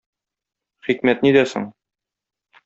Хикмәт нидә соң?